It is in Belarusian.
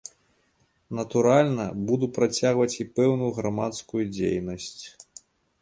Натуральна, буду працягваць і пэўную грамадскую дзейнасць.